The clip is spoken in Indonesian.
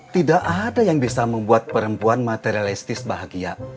tidak ada yang bisa membuat perempuan materialistis bahagia